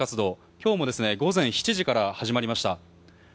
今日も午前７時から始まりました。